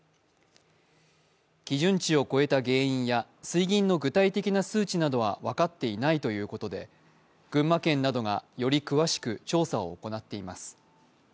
基準値を超えた原因や水銀の具体的な数値などは分かっていないと言うことで群馬県などが、より詳しく調査を行っています。